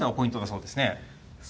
そうですね。